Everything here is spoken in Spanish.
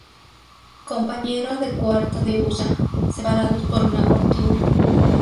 Compañero de cuarto de Usa, separados por una cortina.